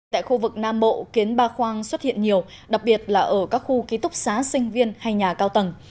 tại khu vực nam bộ kiến ba khoang xuất hiện nhiều đặc biệt là ở các khu ký túc xá sinh viên hay nhà cao tầng